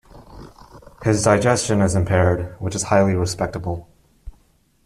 His digestion is impaired, which is highly respectable.